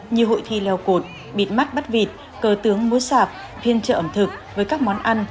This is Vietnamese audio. như hội thi leo cột bịt mắt bắt vịt cơ tướng mua sạp phiên trợ ẩm thực với các món ăn